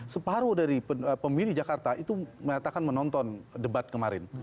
separuh dari pemilih jakarta itu menyatakan menonton debat kemarin